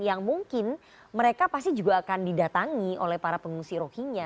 yang mungkin mereka pasti juga akan didatangi oleh para pengungsi rohingya